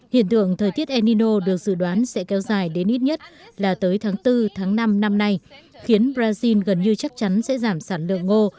hiện tượng thời tiết enino được dự đoán sẽ kéo dài đến ít nhất là tới tháng bốn tháng năm năm nay khiến brazil gần như chắc chắn sẽ giảm sản lượng ngô